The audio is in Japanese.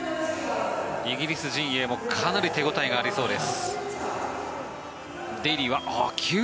イギリス陣営もかなり手応えがありそうです。